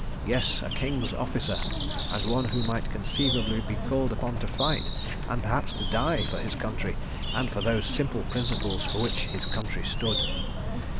Yes—a King's Officer, and one who might conceivably be called upon to fight, and perhaps to die, for his country and for those simple Principles for which his country stood.